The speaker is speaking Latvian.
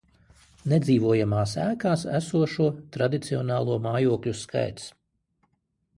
Nedzīvojamās ēkās esošo tradicionālo mājokļu skaits